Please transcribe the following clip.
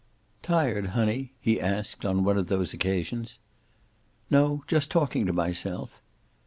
"Tired, honey?" he asked, on one of those occasions. "No. Just talking to myself."